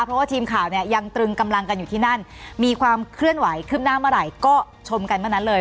เพราะว่าทีมข่าวเนี่ยยังตรึงกำลังกันอยู่ที่นั่นมีความเคลื่อนไหวขึ้นหน้าเมื่อไหร่ก็ชมกันเมื่อนั้นเลย